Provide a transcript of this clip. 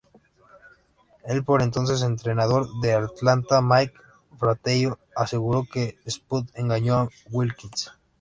El por entonces entrenador de Atlanta, Mike Fratello, aseguró que “Spud engañó a Wilkins.